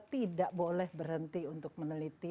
tidak boleh berhenti untuk meneliti